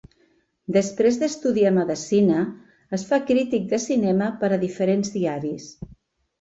Després d'estudiar medicina, es fa crític de cinema per a diferents diaris.